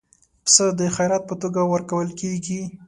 پسه د خیرات په توګه ورکول کېږي.